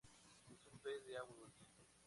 Es un pez de agua dulce